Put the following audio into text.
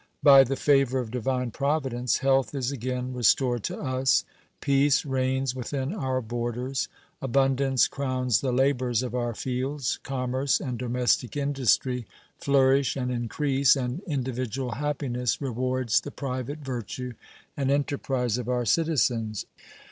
By the favor of Divine Providence health is again restored to us, peace reigns within our borders, abundance crowns the labors of our fields, commerce and domestic industry flourish and increase, and individual happiness rewards the private virtue and enterprise of our citizens.